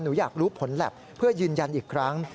หนูอยากรู้ผลแล็บเพื่อยืนยันอีกครั้ง